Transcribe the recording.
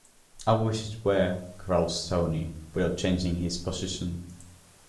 "I wish it were," growls Tony, without changing his position.